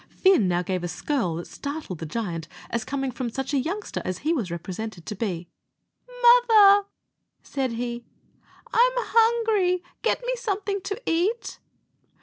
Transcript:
Fin now gave a skirl that startled the giant, as coming from such a youngster as he was represented to be. "Mother," said he, "I'm hungry get me something to eat."